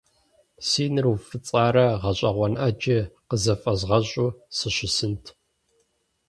Си нэр уфӏыцӏарэ гъэщӏэгъуэн ӏэджи къызыфӏэзгъэщӏу сыщысынт.